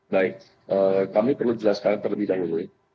baik kami perlu jelaskan terlebih dahulu